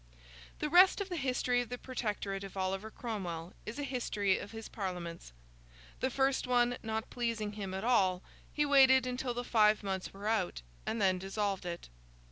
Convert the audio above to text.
The rest of the history of the Protectorate of Oliver Cromwell is a history of his Parliaments. His first one not pleasing him at all, he waited until the five months were out, and then dissolved it.